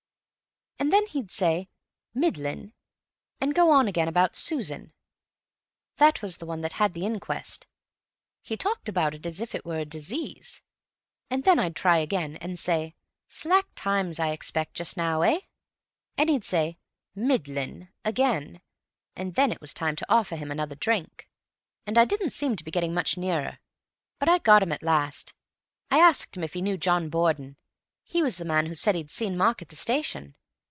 and then he'd say, 'Middlin',' and go on again about Susan—that was the one that had the inquest—he talked about it as if it were a disease—and then I'd try again, and say, 'Slack times, I expect, just now, eh?' and he'd say 'Middlin'' again, and then it was time to offer him another drink, and I didn't seem to be getting much nearer. But I got him at last. I asked him if he knew John Borden—he was the man who said he'd seen Mark at the station.